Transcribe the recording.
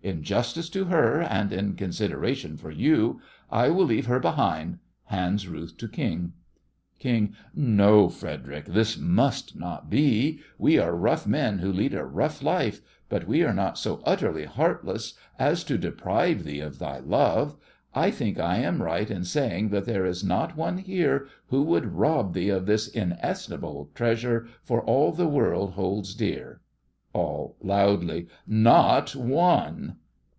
In justice to her, and in consideration for you, I will leave her behind. (Hands RUTH to KING) KING: No, Frederic, this must not be. We are rough men, who lead a rough life, but we are not so utterly heartless as to deprive thee of thy love. I think I am right in saying that there is not one here who would rob thee of this inestimable treasure for all the world holds dear. ALL: (loudly) Not one!